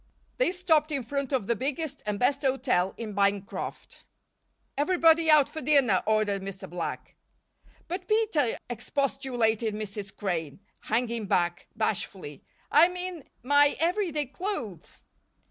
They stopped in front of the biggest and best hotel in Bancroft. "Everybody out for dinner," ordered Mr. Black. "But, Peter," expostulated Mrs. Crane, hanging back, bashfully, "I'm in my every day clothes."